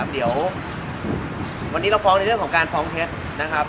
เดี๋ยววันนี้เราฟ้องในเรื่องของการฟ้องเท็จนะครับ